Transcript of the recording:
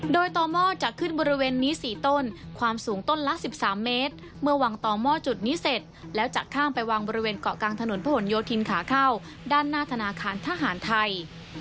โดยต่อหม้อจะขึ้นบริเวณนี้๔ต้นความสูงต้นละ๑๓เมตรเมื่อวางต่อหม้อจุดนี้เสร็จแล้วจะข้ามไปวางบริเวณเกาะกลางถนนพระหลโยธินขาเข้าด้านหน้าธนาคารทหารไทย